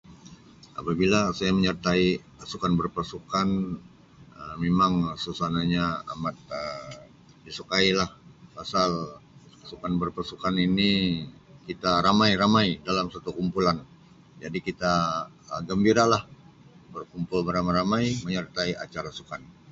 Apabila saya menyertai sukan berpasukan Um memang suasananya amat Um disukai lah pasal sukan berpasukan ini kita ramai-ramai dalam satu kumpulan jadi kita Um gembira lab berkumpul beramai-ramai menyertai acara sukan.